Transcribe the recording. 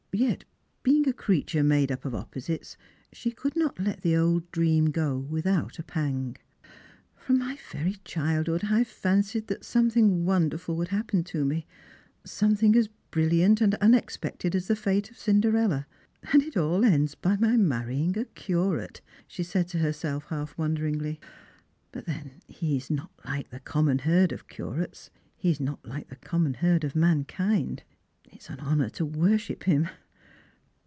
Yet being a creature made up of opposites, she could not let the old dream go without a pang._ "From my very childhood I have fancied that something wonderful would happen to me, Bomething as brillliant and unexpected as the fate of Cinderella : and it all ends by my marrying a curate !" she said to herself half wonderingly. " But then he is not Hke the common herd of curates, he is not like the common herd of mankind. It is an honour to worship Mm."